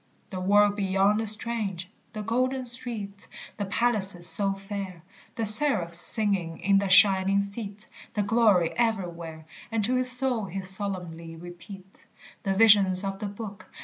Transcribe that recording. The world beyond is strange; the golden streets, The palaces so fair, The seraphs singing in the shining seats, The glory everywhere, And to his soul he solemnly repeats The visions of the Book.